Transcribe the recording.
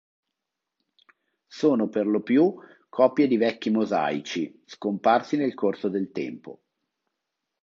Sono per lo più copie di vecchi mosaici, scomparsi nel corso del tempo.